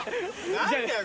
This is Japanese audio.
何だよ